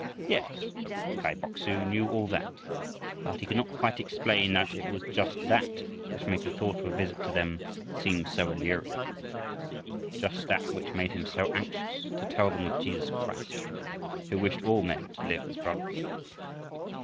Yes, Kai Bok su knew all that, but he could not quite explain that it was just that which made the thought of a visit to them seem so alluring, just that which made him so anxious to tell them of Jesus Christ, who wished all men to live as brothers.